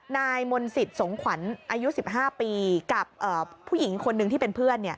นายมนศิษย์สงขวัญอายุ๑๕ปีกับผู้หญิงคนหนึ่งที่เป็นเพื่อน